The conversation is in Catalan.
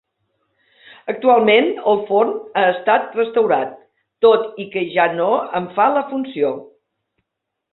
Actualment el forn ha estat restaurat, tot i que ja no en fa la funció.